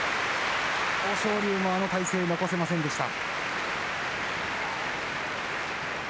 豊昇龍もあの体勢を残せませんでした。